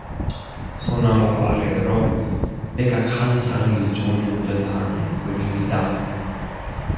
소나무 아래로 백학 한 쌍이 조는 듯한 그림이다.